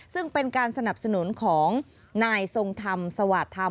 ซึ่งเป็นการสนับสนุนของนายทรงธรรมสวาสธรรม